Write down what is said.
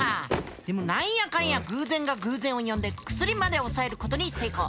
でも何やかんや偶然が偶然を呼んで薬まで押さえることに成功。